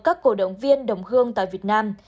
các cổ động viên đồng hương tại việt nam